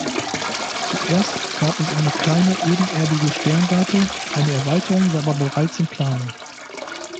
Zuerst gab es eine kleine ebenerdige Sternwarte, eine Erweiterung war aber bereits in Planung.